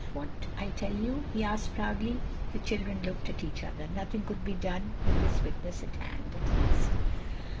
"What I tell you?" he asked proudly. The children looked at each other. Nothing could be done with this witness at hand. At least....